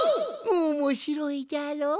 おもしろいじゃろ？